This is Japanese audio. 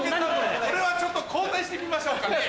これはちょっと交代してみましょうかね。